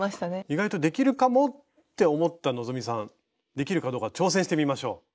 意外とできるかもって思った希さんできるかどうか挑戦してみましょう！